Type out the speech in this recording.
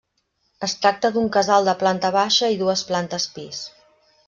Es tracta d'un casal de planta baixa i dues plantes pis.